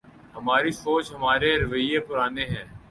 ہماری سوچ ‘ ہمارے رویے پرانے ہیں۔